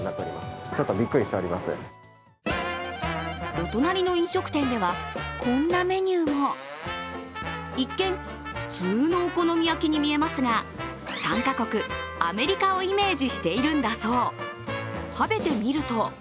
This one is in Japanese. お隣の飲食店では、こんなメニューも。一見普通のお好み焼きに見えますが、参加国、アメリカをイメージしているんだそう。